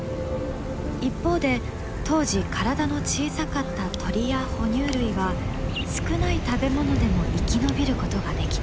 一方で当時体の小さかった鳥や哺乳類は少ない食べ物でも生き延びることができた。